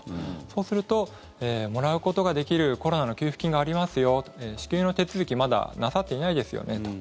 そうすると、もらうことができるコロナの給付金がありますよ支給の手続きまだなさっていないですよねと。